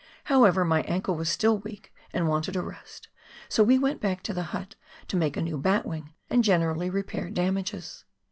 However, my ankle was still weak and wanted a rest, so we went back to the hut to make a new l)atwing and generally repair damages.